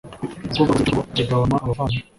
uko byaba kose i cyuwo mutungo kigabanywa abavandimwe